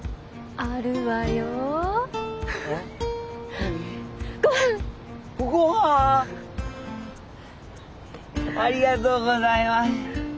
ありがとうございます。